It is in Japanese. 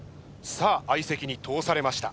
さあ相席に通されました。